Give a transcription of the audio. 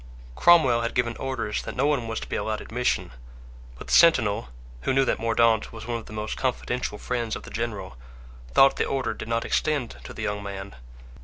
Cromwell had given orders that no one was to be allowed admission; but the sentinel, who knew that Mordaunt was one of the most confidential friends of the general, thought the order did not extend to the young man.